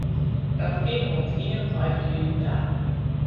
Dat kin oant ien en tweintich juny ta.